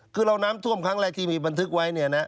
คือเราน้ำท่วมครั้งแรกที่มีบันทึกไว้เนี่ยนะ